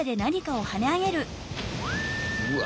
うわ！